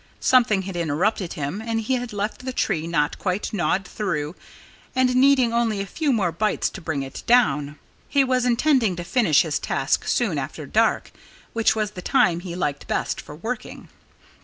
Something had interrupted him and he had left the tree not quite gnawed through and needing only a few more bites to bring it down. He was intending to finish his task soon after dark which was the time he liked best for working.